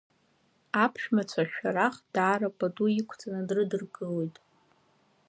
Аԥшәмацәа Шәарах даара пату иқәҵаны дрыдыркылоит.